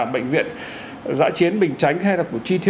bệnh viện giã chiến bình chánh hay là